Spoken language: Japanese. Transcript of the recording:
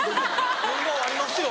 変顔ありますよ